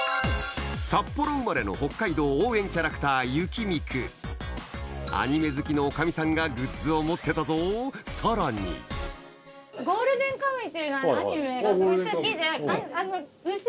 札幌生まれの北海道応援キャラクター雪ミクアニメ好きのおかみさんがグッズを持ってたぞさらに『ゴールデンカムイ』。